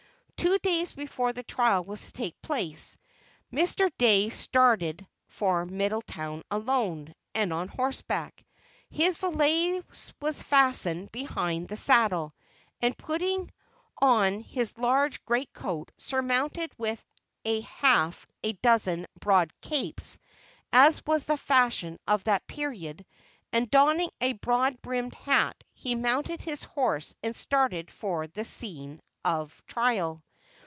Two days before the trial was to take place, Mr. Dey started for Middletown alone, and on horseback. His valise was fastened behind the saddle; and, putting on his large great coat surmounted with a half a dozen broad "capes," as was the fashion of that period, and donning a broad brimmed hat, he mounted his horse and started for the scene of trial.